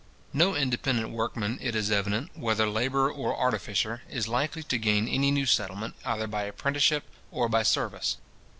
No independent workman, it is evident, whether labourer or artificer, is likely to gain any new settlement, either by apprenticeship or by service.